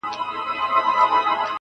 انسان انسان ته زيان رسوي تل,